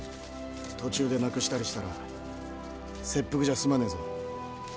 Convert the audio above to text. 途中でなくしたりしたら切腹じゃ済まねえぞ。